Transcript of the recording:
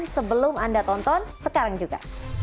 sebelum anda tonton sekarang juga